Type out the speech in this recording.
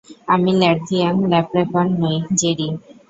আমি Latvian leprechaun নই, Jerry.